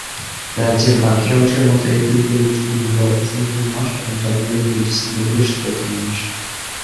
রাজ্যের বাকি অংশের মত এপ্রিল থেকে জুন হল উষ্ণতম মাস এবং জানুয়ারি থেকে ডিসেম্বর হল শীতলতম মাস।